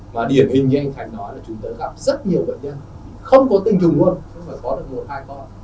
mà điển hình như anh khánh nói là chúng ta gặp rất nhiều vật nhân không có tình trùng quân không phải có được một hai con